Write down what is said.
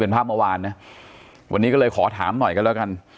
ภาพเมื่อวานนะวันนี้ก็เลยขอถามหน่อยกันแล้วกัน